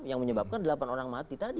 yang menyebabkan delapan orang mati tadi